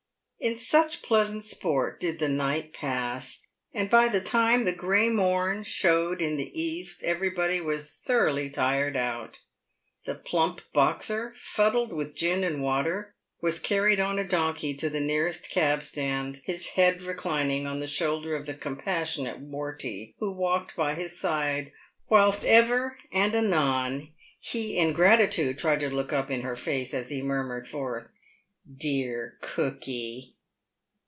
In such pleasant sport did the night pass, and by the time the grey morn showed in the east everybody was thoroughly tired out. The plump Boxer, fuddled with gin and water, was carried on a donkey to the nearest cab stand, his head reclining on the shoulder of the compassionate Wortey, who walked by his side, whilst ever and anon he in gratitude tried to look up in her face, as he murmured forth ff Dear cookey."